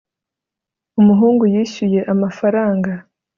umuhungu yishyuye amafaranga